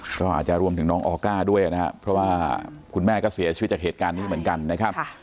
ก็อาจจะรวมถึงน้องออก้าด้วยนะครับเพราะว่าคุณแม่ก็เสียชีวิตจากเหตุการณ์นี้เหมือนกันนะครับ